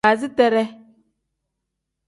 Baasiteree.